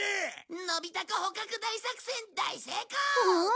のびタコ捕獲大作戦大成功！